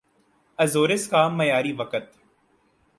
Azores کا معیاری وقت